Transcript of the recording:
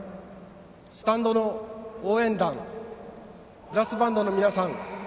スタンドの応援団ブラスバンドの皆さん